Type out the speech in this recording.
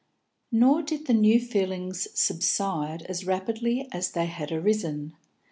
Nor did the new feelings subside as rapidly as they had arisen.